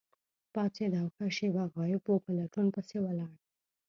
پاڅید او ښه شیبه غایب وو، په لټون پسې ولاړ.